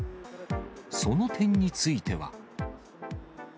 その点については。